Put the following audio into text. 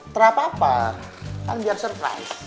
terapa apa kan biar surprise